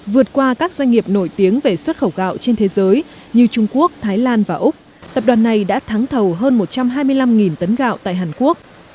vượt qua các doanh nghiệp nổi tiếng về xuất khẩu gạo trên thế giới như trung quốc thái lan và úc tập đoàn này đã thắng thầu hơn một trăm hai mươi năm tấn gạo tại hàn quốc